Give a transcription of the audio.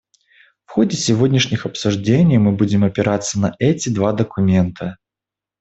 В ходе сегодняшних обсуждений мы будем опираться на эти два документа.